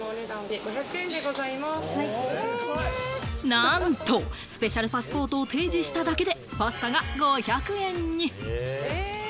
なんと、スペシャルパスポートを提示しただけで、パスタが５００円に！